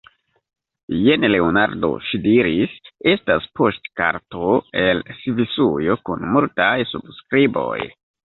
Jen, Leonardo, ŝi diris, estas poŝtkarto el Svisujo kun multaj subskriboj.